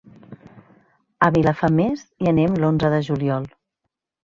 A Vilafamés hi anem l'onze de juliol.